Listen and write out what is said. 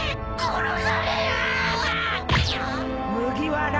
殺される！